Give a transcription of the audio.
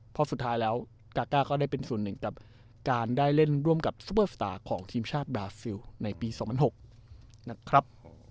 เพราะสุดท้ายแล้วกาก้าก็ได้เป็นส่วนหนึ่งกับการได้เล่นร่วมกับซุปเปอร์สตาร์ของทีมชาติบราซิลในปี๒๐๐๖นะครับ